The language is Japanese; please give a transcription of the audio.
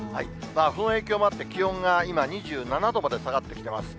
その影響もあって、気温が今２７度まで下がってきてます。